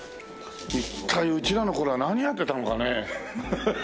一体うちらの頃は何やってたのかね？